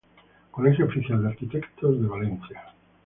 Colegio Oficial de arquitectos de Valencia.